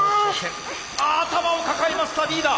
頭を抱えましたリーダー！